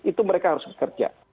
itu mereka harus bekerja